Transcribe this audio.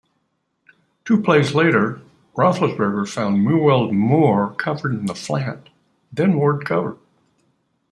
Two plays later, Roethlisberger found Mewelde Moore covered in the flat, then Ward covered.